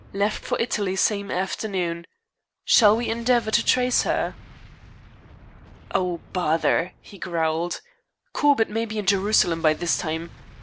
Left for Italy same afternoon. Shall we endeavor to trace her?" "Oh, bother," he growled. "Corbett may be in Jerusalem by this time.